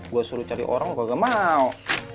gua suruh cari orang gua nggak mau